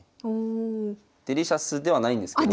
デリシャスではないんですけど。